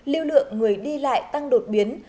liêu lượng người đi lại tăng đột biến